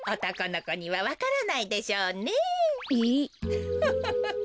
ウフフフフ。